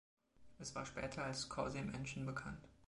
Es war später als „Causey Mansion“ bekannt.